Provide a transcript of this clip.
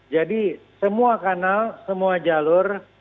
jadi semua kanal semua jalur